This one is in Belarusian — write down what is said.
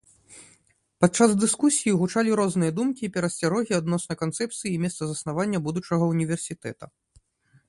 Падчас дыскусіі гучалі розныя думкі і перасцярогі адносна канцэпцыі і месца заснавання будучага ўніверсітэта.